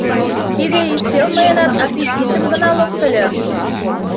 Тиде ӱстел мыйынат аппетитым гына локтыльо!